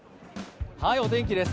お天気です。